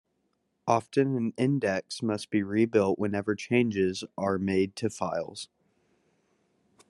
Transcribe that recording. Often an index must be rebuilt whenever changes are made to files.